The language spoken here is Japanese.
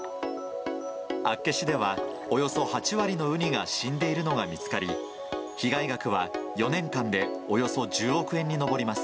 厚岸では、およそ８割のウニが死んでいるのが見つかり、被害額は４年間でおよそ１０億円に上ります。